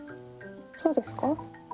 そうですか？